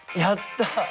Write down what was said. やった！